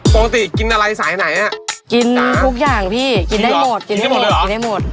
ปกติกินอะไรสายไหนฮะกินทุกอย่างพี่จริงเหรอกินได้หมด